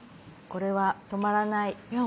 これは止まらないいや